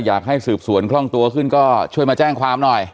อยากให้สืบสวนคล่องตัวขึ้นก็ช่วยมาแจ้งความหน่อย